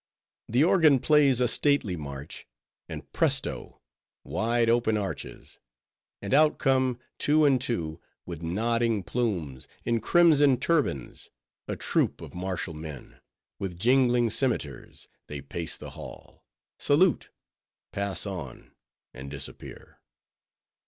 The organ plays a stately march; and presto! wide open arches; and out come, two and two, with nodding plumes, in crimson turbans, a troop of martial men; with jingling scimiters, they pace the hall; salute, pass on, and disappear.